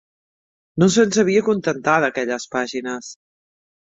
No se'n sabia acontentar d'aquelles pàgines